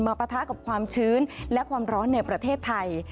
ปะทะกับความชื้นและความร้อนในประเทศไทย